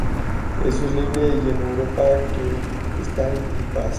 Eso es libre y una Europa que está en paz".